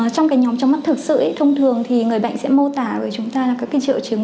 trong cái nhóm chóng mặt thực sự thông thường thì người bệnh sẽ mô tả với chúng ta là các cái triệu chứng